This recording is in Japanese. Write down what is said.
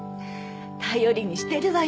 頼りにしてるわよ